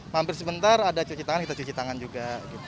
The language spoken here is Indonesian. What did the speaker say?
mampir sebentar ada cuci tangan kita cuci tangan juga